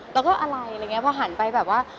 แล้วก็อะไรหลังไปแบบว่า